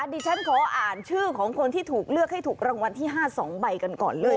ดิฉันขออ่านชื่อของคนที่ถูกเลือกให้ถูกรางวัลที่๕๒ใบกันก่อนเลย